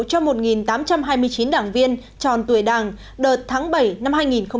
cho một tám trăm hai mươi chín đảng viên tròn tuổi đảng đợt tháng bảy năm hai nghìn một mươi chín